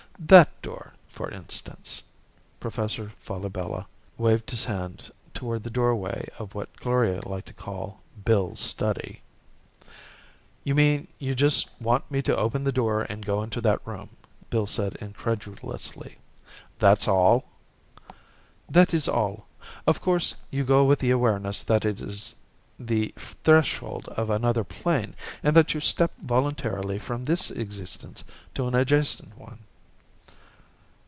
That door, for instance." Professor Falabella waved his hand toward the doorway of what Gloria liked to call "Bill's study." "You mean you just want me to open the door and go into that room?" Bill asked incredulously. "That's all?" "That is all. Of course, you go with the awareness that it is the threshold of another plane and that you step voluntarily from this existence to an adjacent one."